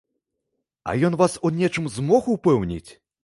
А ён вас у нечым змог упэўніць?